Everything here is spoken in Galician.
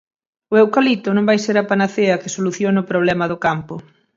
O eucalipto non vai ser a panacea que solucione o problema do campo.